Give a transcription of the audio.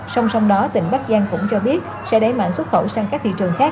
song song đó tỉnh bắc giang cũng cho biết sẽ đẩy mạnh xuất khẩu sang các thị trường khác